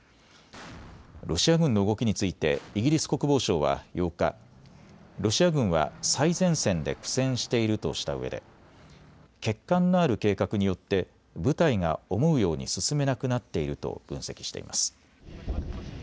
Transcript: ロシア軍の動きについてイギリス国防省は８日、ロシア軍は最前線で苦戦しているとしたうえで欠陥のある計画によって部隊が思うように進めなくなっていると分析しています。